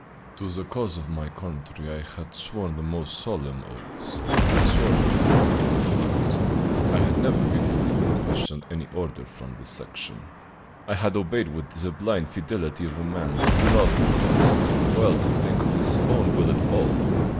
To the cause of my country I had sworn the most solemn oaths, and sworn them with my whole heart. I had never before even questioned any order from the Section. I had obeyed with the blind fidelity of a man that loved the cause too well to think of his own will at all.